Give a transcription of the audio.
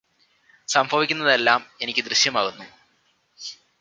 സംഭവിക്കുന്നതെല്ലാം എനിക്ക് ദൃശ്യമാകുന്നു